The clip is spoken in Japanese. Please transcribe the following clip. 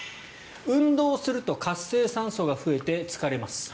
運動すると活性酸素が増えて疲れます。